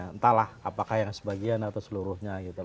entahlah apakah yang sebagian atau seluruhnya gitu